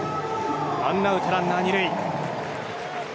ワンアウトランナー２塁。